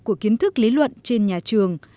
của kiến thức lý luận trên nhà trường